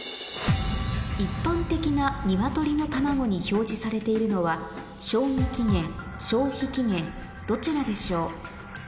一般的なニワトリの卵に表示されているのはどちらでしょう？